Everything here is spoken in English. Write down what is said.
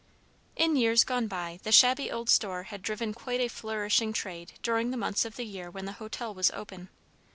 In years gone by, the shabby old store had driven quite a flourishing trade during the months of the year when the hotel was open.